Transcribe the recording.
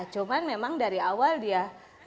cuman memang dari awal dia